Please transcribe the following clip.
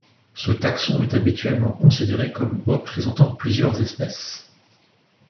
Ce taxon est habituellement considéré comme représentant plusieurs espèces.